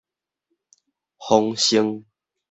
豐盛